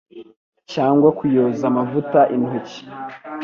cyangwa kuyoza amavuta intoki